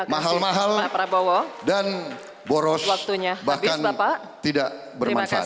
mahal mahal dan boros bahkan tidak bermanfaat